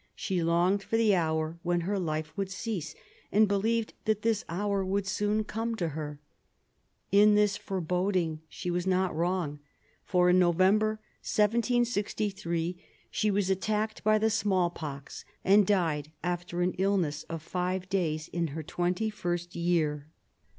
She longed for the hour when her life would cease, and believed that this hour would soon come to her. In this foreboding she was not wrong, for in November 1763 she was attacked by the small pox, and died after an illness of five days, in her twenty first year.